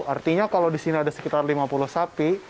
artinya kalau disini ada sekitar lima puluh sapi